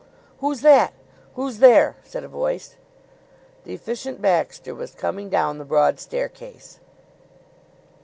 "Who's that? Who's there?" said a voice. The Efficient Baxter was coming down the broad staircase.